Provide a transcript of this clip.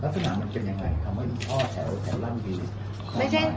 ถูกต้องค่ะลักษณะมันเป็นยังไงคำว่าอีช่อแถวแถวร่างดิน